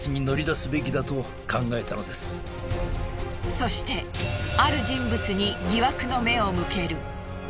そしてある人物に疑惑の目を向ける。